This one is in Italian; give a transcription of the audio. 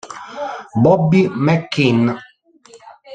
Bobby McKean